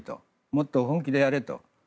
もっと本気であれと。